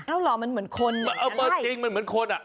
เอาเหรอมันเหมือนคนมันเอามาจริงมันเหมือนคนอ่ะ